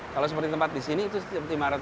kalau seperti tempat di sini itu lima ratus meter